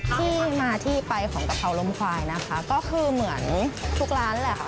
ที่มาที่ไปของกะเพราลมควายนะคะก็คือเหมือนทุกร้านแหละค่ะ